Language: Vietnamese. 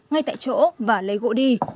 ngay tại chỗ và lấy gỗ đi